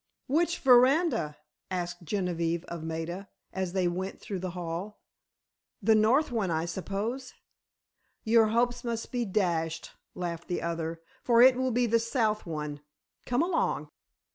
"Which veranda?" asked Genevieve of Maida, as they went through the hall. "The north one, I hope." "Your hopes must be dashed," laughed the other, "for it will be the south one. Come along."